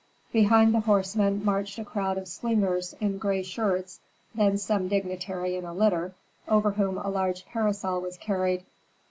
Behind the horsemen marched a crowd of slingers in gray shirts, then some dignitary in a litter, over whom a large parasol was carried.